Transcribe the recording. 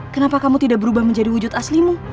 kenapa kamu tidak berubah menjadi wujud aslimu